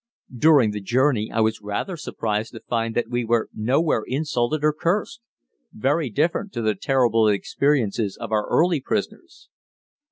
During the journey I was rather surprised to find that we were nowhere insulted or cursed very different to the terrible experiences of our early prisoners.